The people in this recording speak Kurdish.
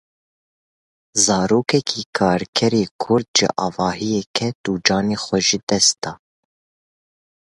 Zarokekî karker ê Kurd ji avahiyê ket û canê xwe ji dest da.